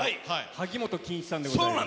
萩本欽一さんでございます。